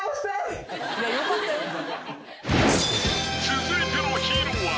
［続いてのヒーローは］